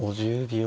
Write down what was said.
５０秒。